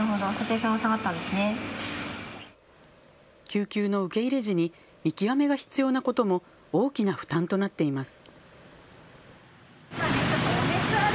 救急の受け入れ時に見極めが必要なことも大きな負担となっています。